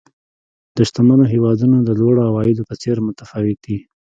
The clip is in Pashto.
د شتمنو هېوادونو د لوړو عوایدو په څېر متفاوت دي.